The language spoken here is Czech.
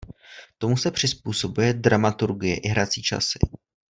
Tomu se přizpůsobuje dramaturgie i hrací časy.